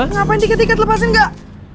ngapain diket diket lepasin gak